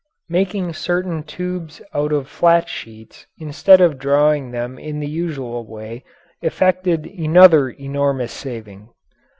Making certain tubes out of flat sheets instead of drawing them in the usual way effected another enormous saving.